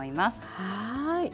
はい。